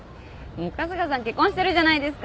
春日さん結婚してるじゃないですか！